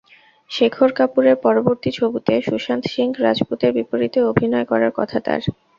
শেখর কাপুরের পরবর্তী ছবিতে সুশান্ত সিং রাজপুতের বিপরীতে অভিনয় করার কথা তাঁর।